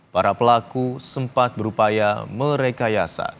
para pelaku sempat berupaya merekayasa